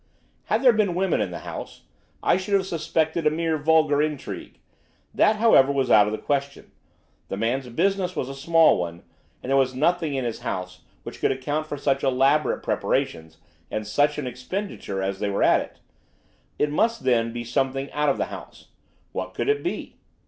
"Had there been women in the house, I should have suspected a mere vulgar intrigue. That, however, was out of the question. The man's business was a small one, and there was nothing in his house which could account for such elaborate preparations, and such an expenditure as they were at. It must, then, be something out of the house. What could it be?